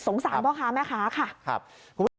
สารพ่อค้าแม่ค้าค่ะครับคุณผู้ชม